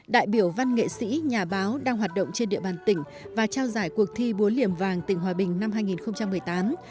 đại biểu văn nghệ sĩ nhà báo đang hoạt động trên địa bàn tỉnh và trao giải cuộc thi búa liềm vàng tỉnh hòa bình năm hai nghìn một mươi tám